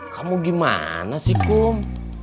kamu gimana sih kum